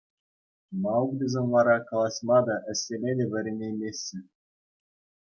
Мауглисем вара калаҫма та, ӗҫлеме те вӗренеймеҫҫӗ.